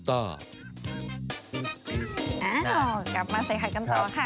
เอ้ากลับมาใส่ใครกันต่อค่ะ